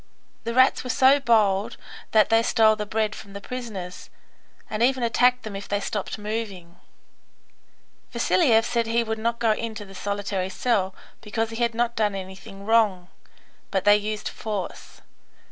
The rats were so bold that they stole the bread from the prisoners, and even attacked them if they stopped moving. Vasiliev said he would not go into the solitary cell, because he had not done anything wrong; but they used force.